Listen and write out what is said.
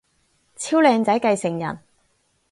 超靚仔繼承人